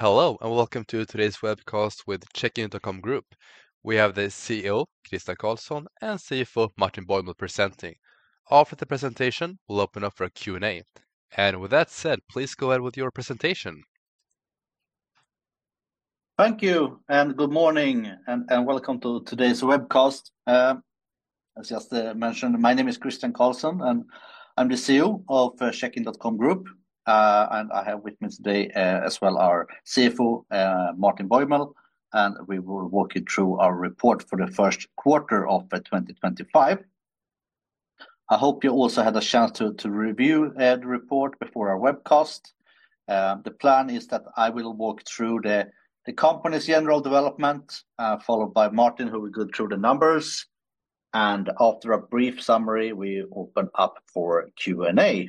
Hello, and welcome to today's webcast with Checkin.com Group. We have the CEO, Christian Karlsson, and CFO, Martin Bäuml, presenting. After the presentation, we'll open up for a Q&A. With that said, please go ahead with your presentation. Thank you, and good morning, and welcome to today's webcast. As just mentioned, my name is Christian Karlsson, and I'm the CEO of Checkin.com Group. I have with me today as well our CFO, Martin Bäuml, and we will walk you through our report for the first quarter of 2025. I hope you also had a chance to review the report before our webcast. The plan is that I will walk through the company's general development, followed by Martin, who will go through the numbers. After a brief summary, we open up for Q&A.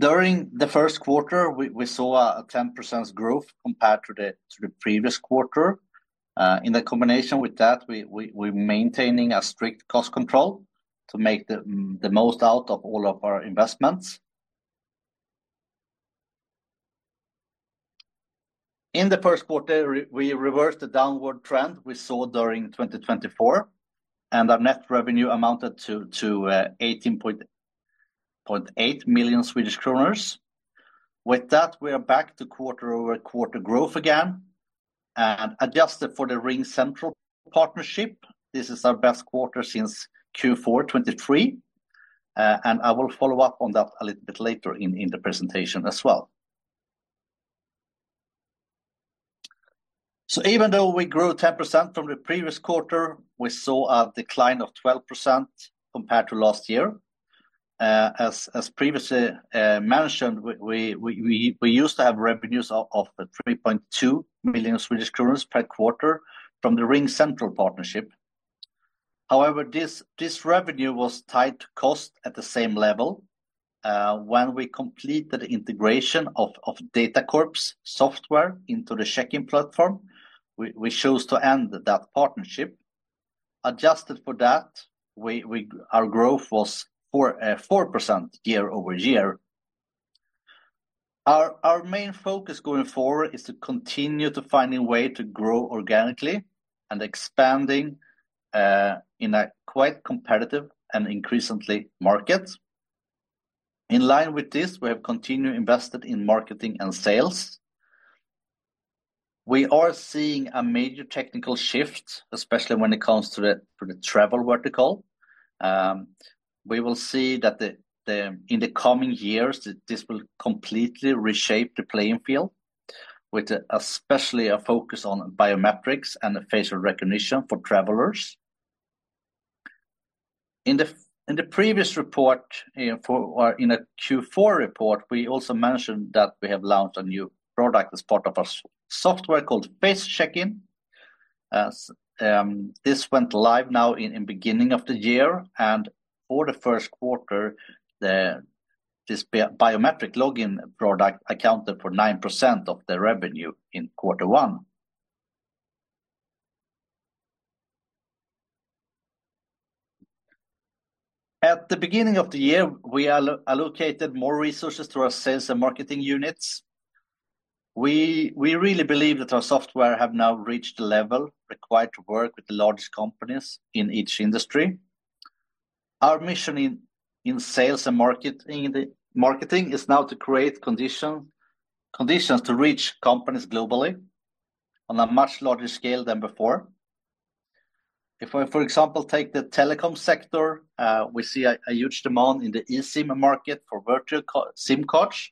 During the first quarter, we saw a 10% growth compared to the previous quarter. In combination with that, we're maintaining strict cost control to make the most out of all of our investments. In the first quarter, we reversed the downward trend we saw during 2024, and our net revenue amounted to 18.8 million Swedish kronor. With that, we are back to quarter-over-quarter growth again, and adjusted for the RingCentral partnership. This is our best quarter since Q4 2023, and I will follow up on that a little bit later in the presentation as well. Even though we grew 10% from the previous quarter, we saw a decline of 12% compared to last year. As previously mentioned, we used to have revenues of 3.2 million Swedish kronor per quarter from the RingCentral partnership. However, this revenue was tied to cost at the same level. When we completed the integration of Datacorp's software into the Checkin.com platform, we chose to end that partnership. Adjusted for that, our growth was 4% year over year. Our main focus going forward is to continue to find a way to grow organically and expanding in a quite competitive and increasingly market. In line with this, we have continued to invest in marketing and sales. We are seeing a major technical shift, especially when it comes to the travel vertical. We will see that in the coming years, this will completely reshape the playing field, with especially a focus on biometrics and facial recognition for travelers. In the previous report, in the Q4 report, we also mentioned that we have launched a new product as part of our software called FaceCheckin. This went live now in the beginning of the year, and for the first quarter, this biometric login product accounted for 9% of the revenue in quarter one. At the beginning of the year, we allocated more resources to our sales and marketing units. We really believe that our software has now reached the level required to work with the largest companies in each industry. Our mission in sales and marketing is now to create conditions to reach companies globally on a much larger scale than before. If we, for example, take the telecom sector, we see a huge demand in the eSIM market for virtual SIM cards,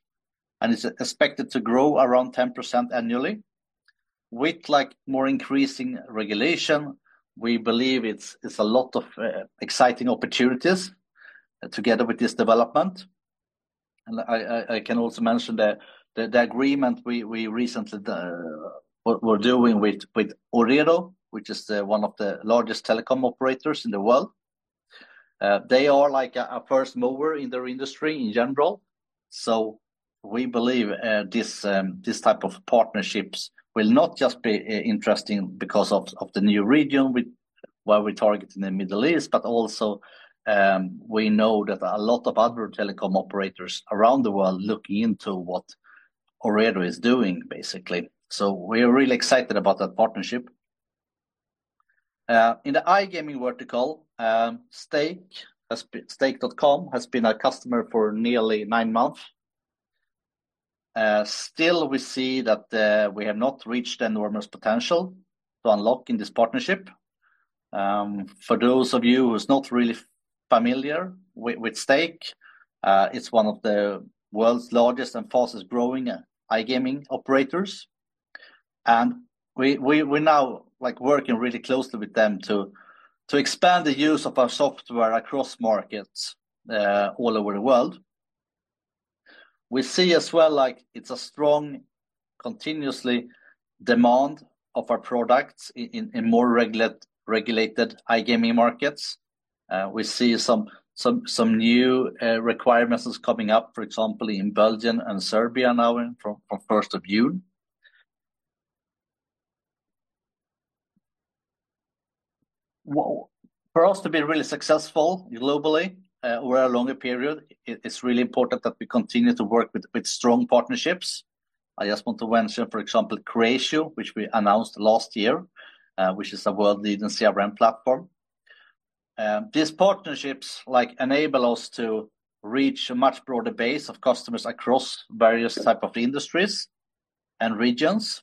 and it's expected to grow around 10% annually. With more increasing regulation, we believe it's a lot of exciting opportunities together with this development. I can also mention the agreement we recently were doing with Ooredoo, which is one of the largest telecom operators in the world. They are like a first mover in their industry in general. We believe this type of partnerships will not just be interesting because of the new region where we target in the Middle East, but also we know that a lot of other telecom operators around the world are looking into what Ooredoo is doing, basically. We are really excited about that partnership. In the iGaming vertical, Stake.com has been our customer for nearly nine months. Still, we see that we have not reached the enormous potential to unlock in this partnership. For those of you who are not really familiar with Stake, it is one of the world's largest and fastest-growing iGaming operators. We are now working really closely with them to expand the use of our software across markets all over the world. We see as well like it is a strong continuous demand for our products in more regulated iGaming markets. We see some new requirements coming up, for example, in Belgium and Serbia now from 1 June. For us to be really successful globally over a longer period, it's really important that we continue to work with strong partnerships. I just want to mention, for example, Creatio, which we announced last year, which is a world-leading CRM platform. These partnerships enable us to reach a much broader base of customers across various types of industries and regions.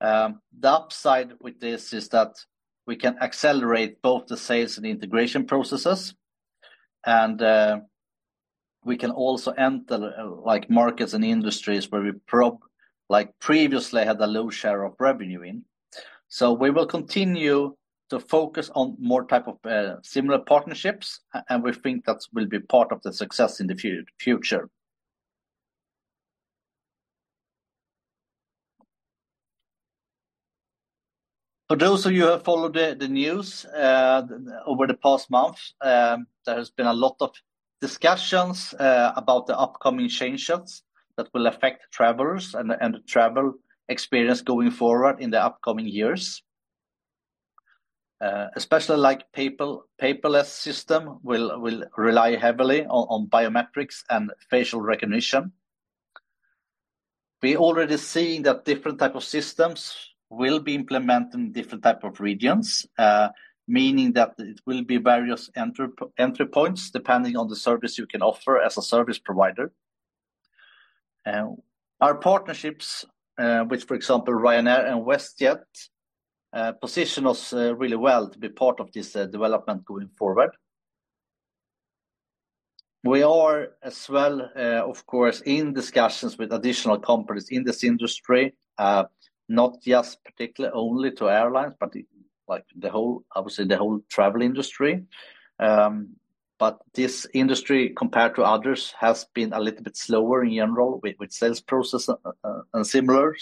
The upside with this is that we can accelerate both the sales and integration processes, and we can also enter markets and industries where we previously had a low share of revenue in. We will continue to focus on more types of similar partnerships, and we think that will be part of the success in the future. For those of you who have followed the news over the past month, there has been a lot of discussions about the upcoming change shifts that will affect travelers and the travel experience going forward in the upcoming years. Especially like paperless systems will rely heavily on biometrics and facial recognition. We're already seeing that different types of systems will be implemented in different types of regions, meaning that it will be various entry points depending on the service you can offer as a service provider. Our partnerships with, for example, Ryanair and WestJet position us really well to be part of this development going forward. We are as well, of course, in discussions with additional companies in this industry, not just particularly only to airlines, but I would say the whole travel industry. This industry, compared to others, has been a little bit slower in general with sales processes and similar.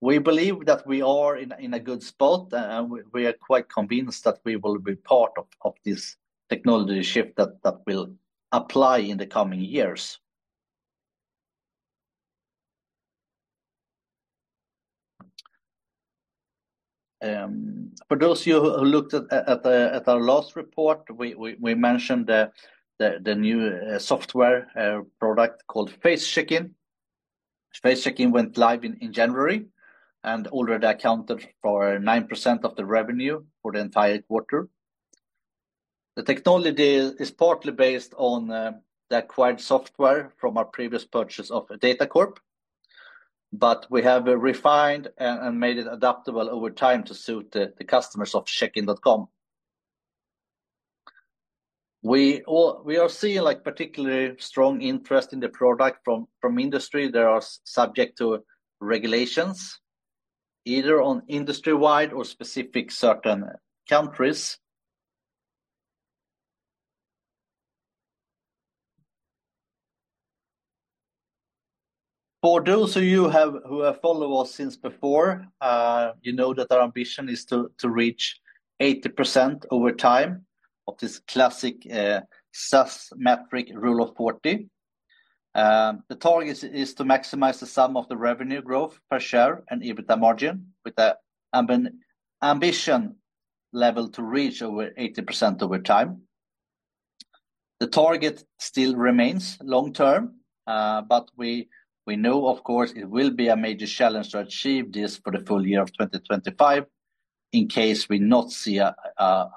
We believe that we are in a good spot, and we are quite convinced that we will be part of this technology shift that will apply in the coming years. For those of you who looked at our last report, we mentioned the new software product called FaceCheckin. FaceCheckin went live in January and already accounted for 9% of the revenue for the entire quarter. The technology is partly based on the acquired software from our previous purchase of Datacorp, but we have refined and made it adaptable over time to suit the customers of Checkin.com. We are seeing particularly strong interest in the product from industry that are subject to regulations, either industry-wide or specific certain countries. For those of you who have followed us since before, you know that our ambition is to reach 80% over time of this classic SaaS metric, Rule of 40. The target is to maximize the sum of the revenue growth per share and EBITDA margin with an ambition level to reach over 80% over time. The target still remains long-term, but we know, of course, it will be a major challenge to achieve this for the full year of 2025 in case we do not see a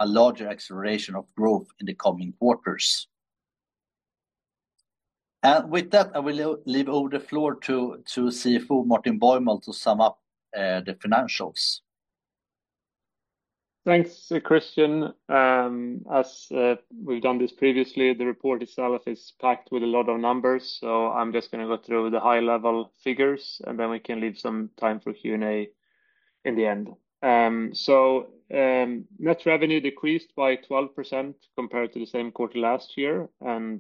larger acceleration of growth in the coming quarters. With that, I will leave over the floor to CFO Martin Bäuml to sum up the financials. Thanks, Christian. As we've done this previously, the report itself is packed with a lot of numbers, so I'm just going to go through the high-level figures, and then we can leave some time for Q&A in the end. Net revenue decreased by 12% compared to the same quarter last year and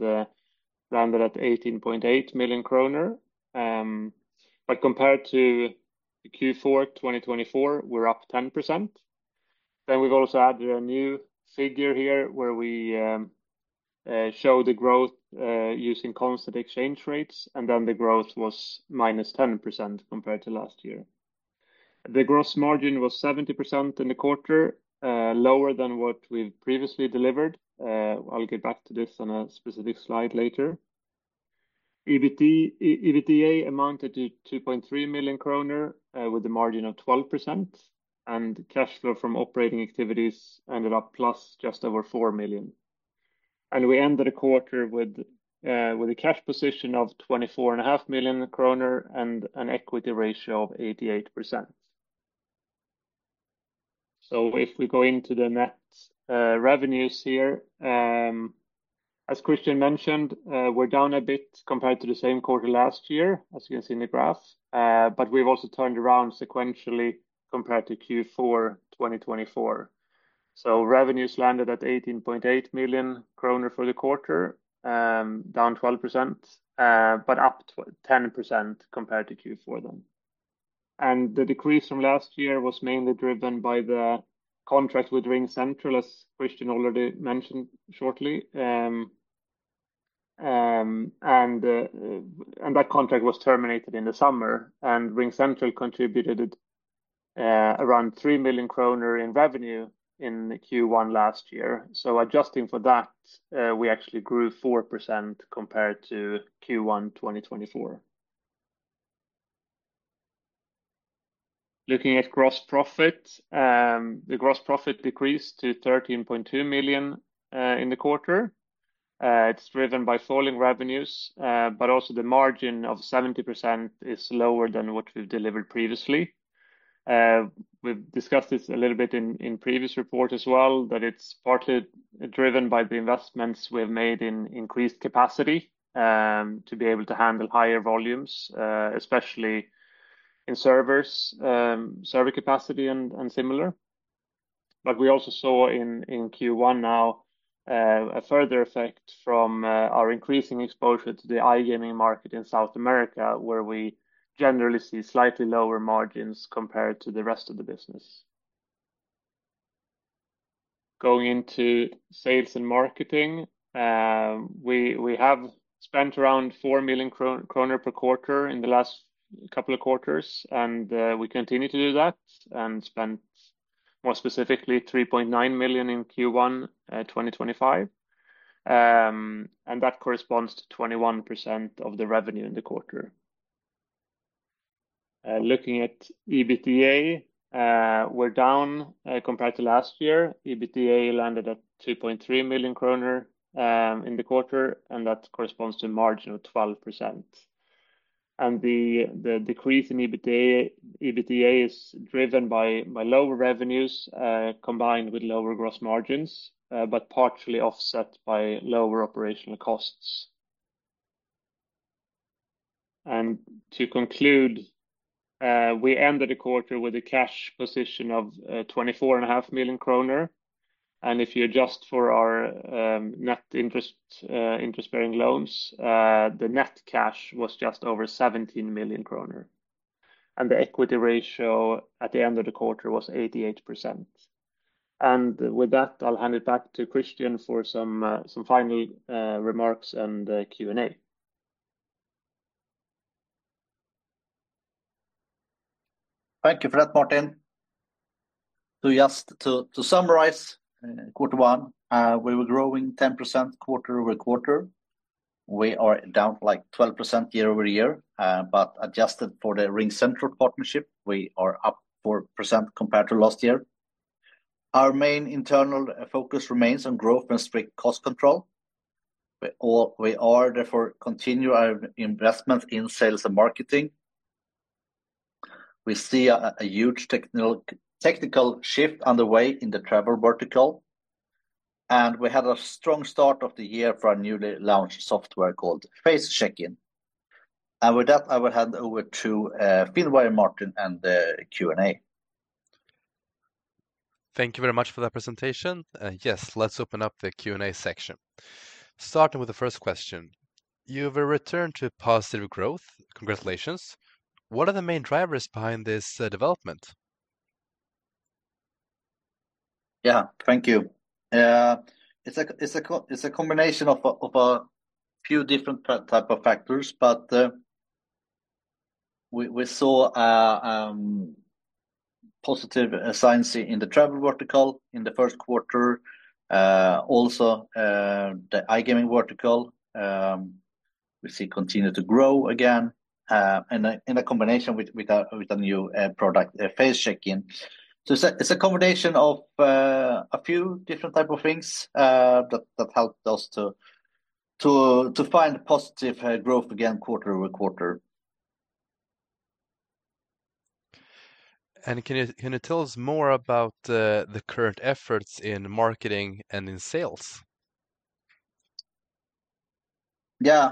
landed at 18.8 million kronor. Compared to Q4 2024, we're up 10%. We've also added a new figure here where we show the growth using constant exchange rates, and the growth was -10% compared to last year. The gross margin was 70% in the quarter, lower than what we've previously delivered. I'll get back to this on a specific slide later. EBITDA amounted to 2.3 million kronor with a margin of 12%, and cash flow from operating activities ended up plus just over 4 million. We ended the quarter with a cash position of 24.5 million kronor and an equity ratio of 88%. If we go into the net revenues here, as Christian mentioned, we're down a bit compared to the same quarter last year, as you can see in the graph, but we've also turned around sequentially compared to Q4 2024. Revenues landed at 18.8 million kronor for the quarter, down 12%, but up 10% compared to Q4 then. The decrease from last year was mainly driven by the contract with RingCentral, as Christian already mentioned shortly. That contract was terminated in the summer, and RingCentral contributed around 3 million kronor in revenue in Q1 last year. Adjusting for that, we actually grew 4% compared to Q1 2024. Looking at gross profit, the gross profit decreased to 13.2 million in the quarter. It's driven by falling revenues, but also the margin of 70% is lower than what we've delivered previously. We've discussed this a little bit in previous reports as well, that it's partly driven by the investments we have made in increased capacity to be able to handle higher volumes, especially in servers, server capacity and similar. We also saw in Q1 now a further effect from our increasing exposure to the iGaming market in South America, where we generally see slightly lower margins compared to the rest of the business. Going into sales and marketing, we have spent around 4 million kronor per quarter in the last couple of quarters, and we continue to do that and spent more specifically 3.9 million in Q1 2025. That corresponds to 21% of the revenue in the quarter. Looking at EBITDA, we're down compared to last year. EBITDA landed at 2.3 million kronor in the quarter, and that corresponds to a margin of 12%. The decrease in EBITDA is driven by lower revenues combined with lower gross margins, but partially offset by lower operational costs. To conclude, we ended the quarter with a cash position of 24.5 million kronor. If you adjust for our net interest-bearing loans, the net cash was just over 17 million kronor. The equity ratio at the end of the quarter was 88%. With that, I'll hand it back to Christian for some final remarks and Q&A. Thank you for that, Martin. Just to summarize quarter one, we were growing 10% quarter over quarter. We are down like 12% year over year, but adjusted for the RingCentral partnership, we are up 4% compared to last year. Our main internal focus remains on growth and strict cost control. We are therefore continuing our investment in sales and marketing. We see a huge technical shift underway in the travel vertical, and we had a strong start of the year for our newly launched software called FaceCheckin. With that, I will hand over to Finnwe, Martin, and the Q&A. Thank you very much for that presentation. Yes, let's open up the Q&A section. Starting with the first question. You have returned to positive growth. Congratulations. What are the main drivers behind this development? Yeah, thank you. It's a combination of a few different types of factors, but we saw positive signs in the travel vertical in the first quarter. Also, the iGaming vertical, we see continues to grow again in a combination with a new product, FaceCheckin. So it's a combination of a few different types of things that helped us to find positive growth again quarter over quarter. Can you tell us more about the current efforts in marketing and in sales? Yeah.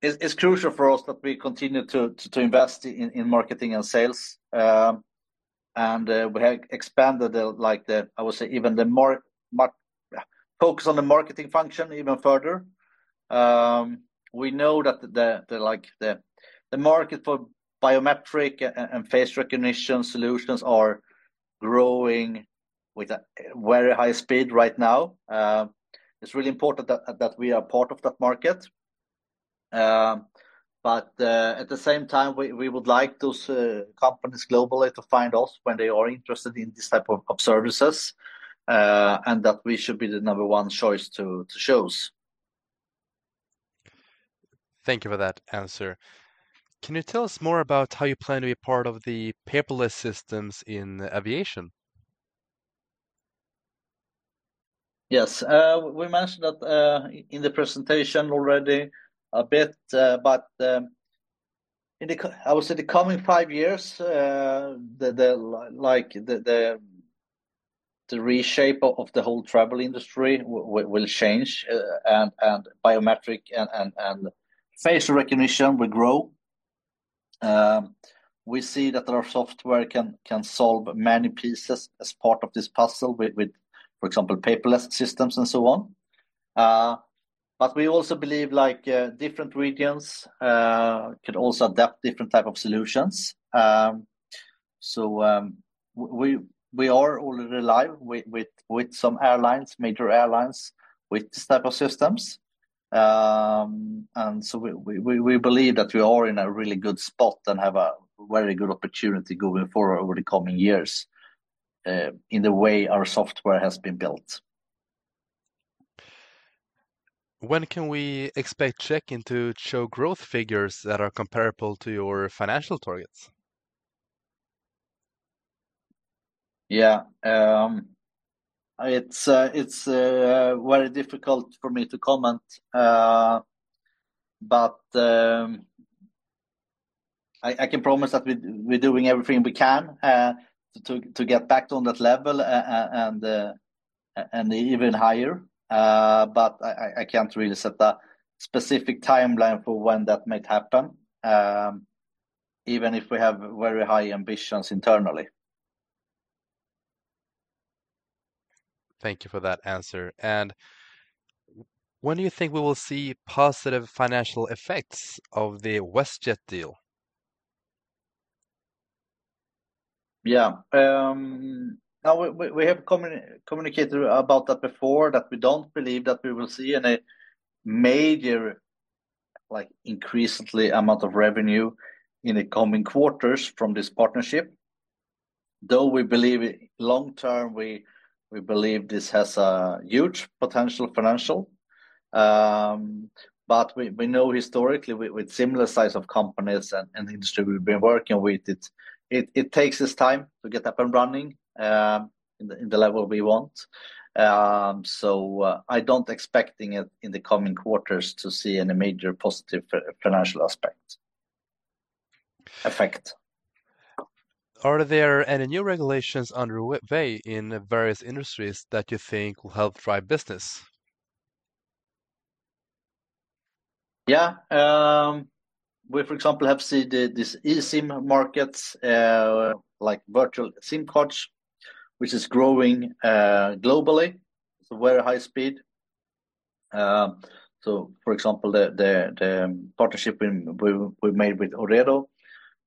It is crucial for us that we continue to invest in marketing and sales. We have expanded the, I would say, even the focus on the marketing function even further. We know that the market for biometric and face recognition solutions is growing with a very high speed right now. It is really important that we are part of that market. At the same time, we would like those companies globally to find us when they are interested in this type of services and that we should be the number one choice to choose. Thank you for that answer. Can you tell us more about how you plan to be part of the paperless systems in aviation? Yes. We mentioned that in the presentation already a bit, but I would say the coming five years, the reshape of the whole travel industry will change, and biometric and facial recognition will grow. We see that our software can solve many pieces as part of this puzzle with, for example, paperless systems and so on. We also believe different regions can also adapt different types of solutions. We are already live with some airlines, major airlines with this type of systems. We believe that we are in a really good spot and have a very good opportunity going forward over the coming years in the way our software has been built. When can we expect Checkin.com to show growth figures that are comparable to your financial targets? Yeah. It's very difficult for me to comment, but I can promise that we're doing everything we can to get back to that level and even higher. I can't really set a specific timeline for when that might happen, even if we have very high ambitions internally. Thank you for that answer. When do you think we will see positive financial effects of the WestJet deal? Yeah. We have communicated about that before, that we don't believe that we will see any major increase in the amount of revenue in the coming quarters from this partnership. Though we believe long-term, we believe this has a huge potential financial. We know historically with similar size of companies and industry we've been working with, it takes its time to get up and running in the level we want. I don't expect in the coming quarters to see any major positive financial effect. Are there any new regulations underway in various industries that you think will help drive business? Yeah. We, for example, have seen this eSIM market, like virtual SIM cards, which is growing globally, so very high speed. For example, the partnership we made with Ooredoo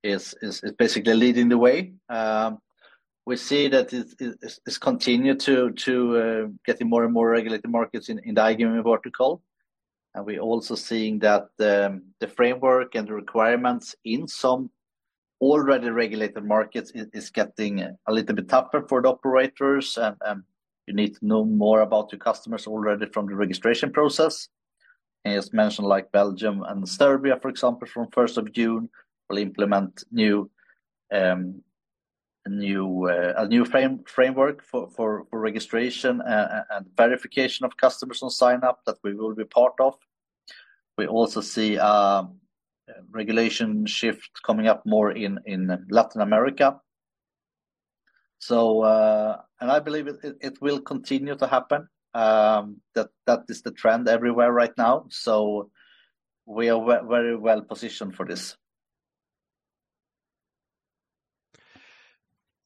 is basically leading the way. We see that it is continuing to get in more and more regulated markets in the iGaming vertical. We are also seeing that the framework and the requirements in some already regulated markets are getting a little bit tougher for the operators. You need to know more about your customers already from the registration process. As mentioned, like Belgium and Serbia, for example, from 1st of June, will implement a new framework for registration and verification of customers on sign-up that we will be part of. We also see a regulation shift coming up more in Latin America. I believe it will continue to happen. That is the trend everywhere right now. We are very well positioned for this.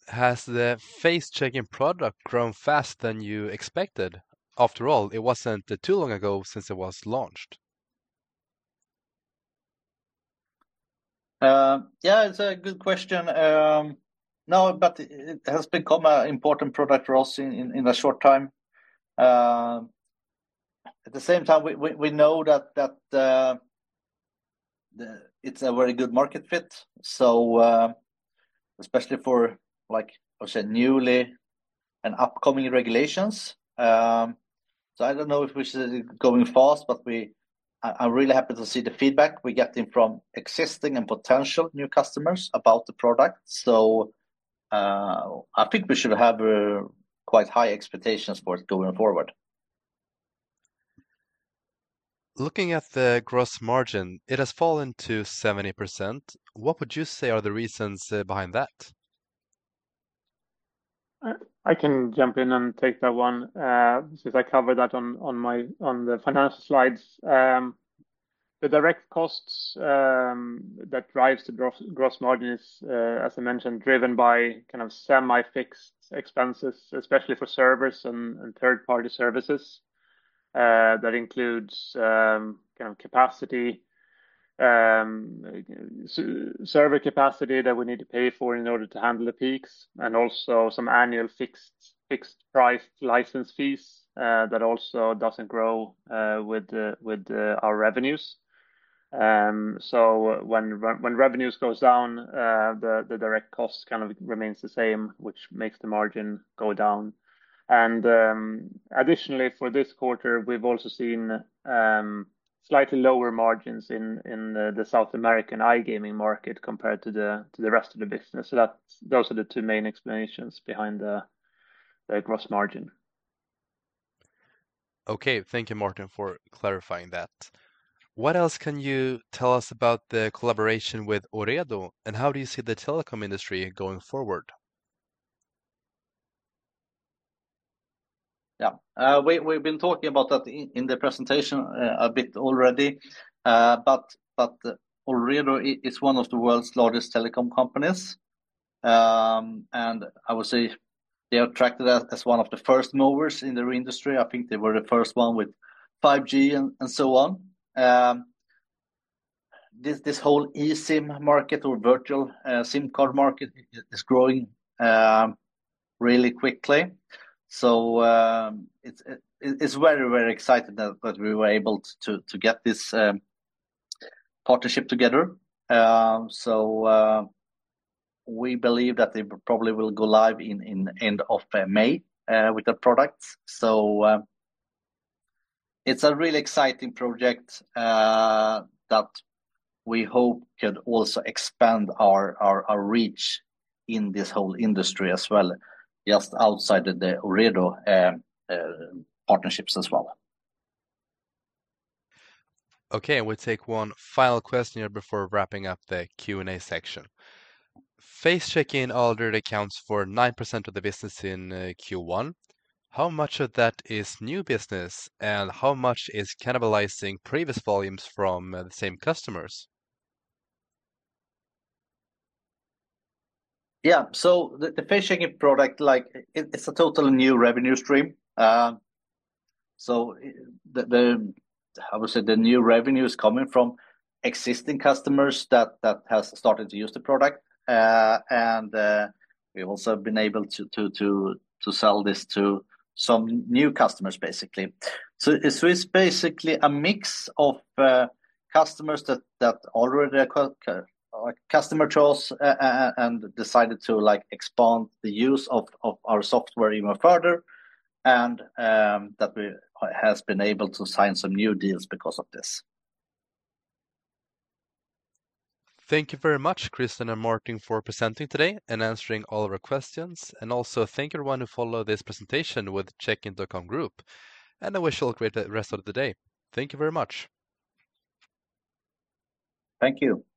Has the FaceCheckin product grown faster than you expected? After all, it was not too long ago since it was launched. Yeah, it's a good question. No, but it has become an important product for us in the short time. At the same time, we know that it's a very good market fit, especially for, I would say, newly and upcoming regulations. I don't know if we should be going fast, but I'm really happy to see the feedback we're getting from existing and potential new customers about the product. I think we should have quite high expectations for it going forward. Looking at the gross margin, it has fallen to 70%. What would you say are the reasons behind that? I can jump in and take that one since I covered that on the financial slides. The direct costs that drive the gross margin is, as I mentioned, driven by kind of semi-fixed expenses, especially for servers and third-party services. That includes kind of capacity, server capacity that we need to pay for in order to handle the peaks, and also some annual fixed-priced license fees that also do not grow with our revenues. When revenues go down, the direct cost kind of remains the same, which makes the margin go down. Additionally, for this quarter, we have also seen slightly lower margins in the South American iGaming market compared to the rest of the business. Those are the two main explanations behind the gross margin. Okay, thank you, Martin, for clarifying that. What else can you tell us about the collaboration with Ooredoo, and how do you see the telecom industry going forward? Yeah, we've been talking about that in the presentation a bit already. Ooredoo is one of the world's largest telecom companies. I would say they are tracked as one of the first movers in the industry. I think they were the first one with 5G and so on. This whole eSIM market or virtual SIM card market is growing really quickly. It is very, very exciting that we were able to get this partnership together. We believe that it probably will go live in the end of May with the product. It is a really exciting project that we hope could also expand our reach in this whole industry as well, just outside of the Ooredoo partnerships as well. Okay, and we'll take one final question here before wrapping up the Q&A section. FaceCheckin already accounts for 9% of the business in Q1. How much of that is new business, and how much is cannibalizing previous volumes from the same customers? Yeah, so the FaceCheckin product, it's a totally new revenue stream. I would say the new revenue is coming from existing customers that have started to use the product. We've also been able to sell this to some new customers, basically. It's basically a mix of customers that already chose and decided to expand the use of our software even further, and that has been able to sign some new deals because of this. Thank you very much, Christian and Martin, for presenting today and answering all of our questions. Thank you to everyone who followed this presentation with the Checkin.com Group. I wish you all a great rest of the day. Thank you very much. Thank you.